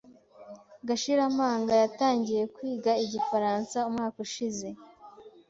Gashiramanga yatangiye kwiga igifaransa umwaka ushize.